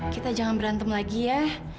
kita jangan berantem lagi ya